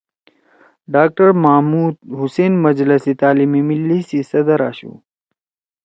ڈاکٹر محمود حُسین مجلس تعلیم ملّی سی صدر آشُو